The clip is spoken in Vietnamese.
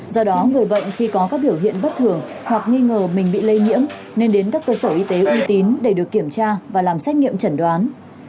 do đó người bệnh khi có các biểu hiện bất thường hoặc nghi ngờ mình bị lây nhiễm nên đến các cơ sở y tế uy tín để được kiểm tra và làm xét nghiệm chẩn đoán